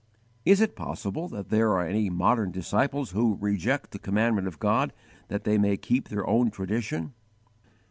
Is it possible that there are any modern disciples who "reject the commandment of God that they may keep their own tradition"?